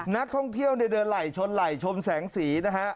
นักท่องเที่ยวเดินไหล่ชนไหล่ชมแสงสีนะฮะ